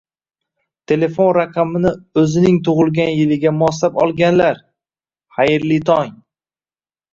Telefon raqamini o'zining tug'ilgan yiliga moslab olganlar, xayrli tong!